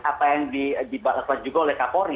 apa yang dibatalkan juga oleh kapolri